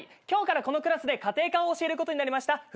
今日からこのクラスで家庭科を教えることになりました。